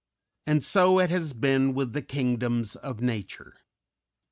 And so has it been with the kingdoms of nature.